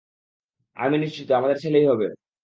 আমি নিশ্চিত, আমাদের ছেলেই হবে।